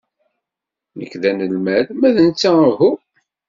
Nekk d anelmad, ma d netta uhu.